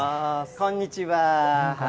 こんにちは。